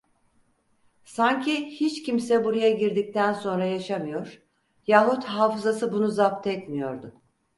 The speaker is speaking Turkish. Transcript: Sanki hiç kimse buraya girdikten sonra yaşamıyor, yahut hafızası bunu zapt etmiyordu.